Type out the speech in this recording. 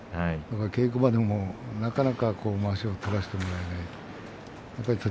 稽古場でも、なかなかまわしを取らせてもらえませんでした。